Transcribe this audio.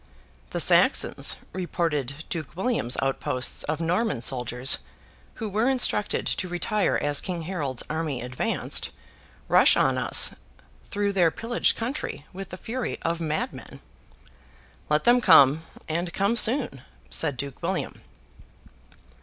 'The Saxons,' reported Duke William's outposts of Norman soldiers, who were instructed to retire as King Harold's army advanced, 'rush on us through their pillaged country with the fury of madmen.' 'Let them come, and come soon!' said Duke William.